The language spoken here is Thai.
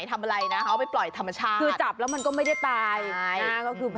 ตัดทื้นชมน้องเคน